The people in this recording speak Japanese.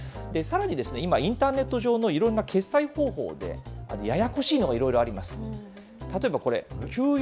さらに今、インターネット上のいろんな決済方法で、ややこしいのが、いろいろあります。